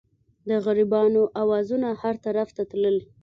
د غریبانو اوازونه هر طرف ته تلل.